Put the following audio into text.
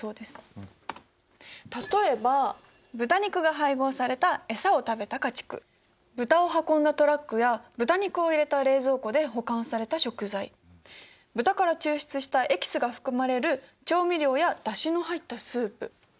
例えば豚肉が配合されたエサを食べた家畜豚を運んだトラックや豚肉を入れた冷蔵庫で保管された食材豚から抽出したエキスが含まれる調味料やだしの入ったスープ。